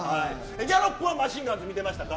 ギャロップはマシンガンズ見てましたか。